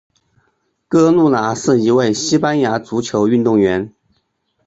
哥路拿是一位西班牙足球运动员。